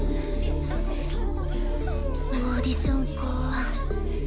オーディションか。